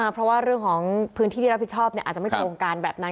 เพราะว่าเรื่องของพื้นที่ที่รับผิดชอบอาจจะไม่โครงการแบบนั้น